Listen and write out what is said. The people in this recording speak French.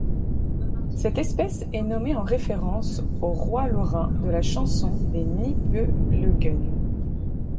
Cette espèce est nommée en référence au roi Laurin de la chanson des Nibelungen.